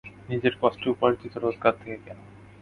নিজের কষ্টে উপার্জিত রোজগার থেকে কেনা।